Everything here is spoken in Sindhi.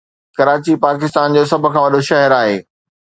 ڪراچي پاڪستان جو سڀ کان وڏو شھر آهي.